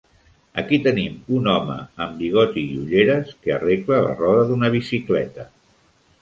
Aquí tenim un home amb bigoti i ulleres que arregla la roda d'una bicicleta.